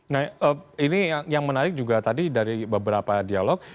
nah ini yang menarik juga tadi dari beberapa dialog